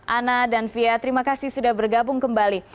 ana dan fia terima kasih sudah bergabung kembali